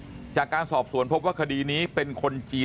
แล้วก็จะขยายผลต่อด้วยว่ามันเป็นแค่เรื่องการทวงหนี้กันอย่างเดียวจริงหรือไม่